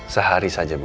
sehari saja bu